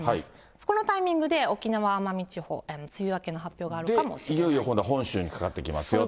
そのタイミングで沖縄・奄美地方、梅雨明けの発表があるかもしれなで、いよいよ今度は本州にかかってきますよと。